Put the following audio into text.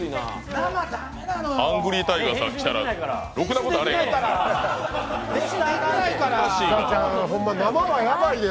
ハングリータイガーさん来たらろくなことあらへんで。